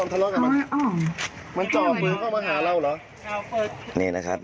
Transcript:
ถูกกษัตริย์